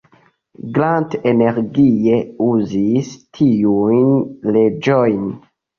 Grant energie uzis tiujn leĝojn.